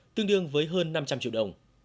tương đương với hơn năm trăm linh triệu đồng